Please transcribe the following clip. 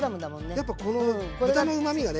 やっぱこの豚のうまみがね